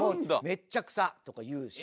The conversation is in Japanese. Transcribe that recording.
めっちゃ草とか言うし。